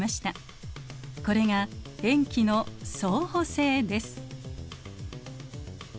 これが塩基の相補性です。